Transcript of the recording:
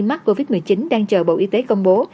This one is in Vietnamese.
mắc covid một mươi chín đang chờ bộ y tế công bố